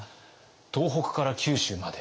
東北から九州まで。